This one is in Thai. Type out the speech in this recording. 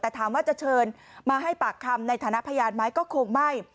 แต่ถามว่าจะเชิญมาให้ปากคำในฐานะพยานไหมก็คงไม่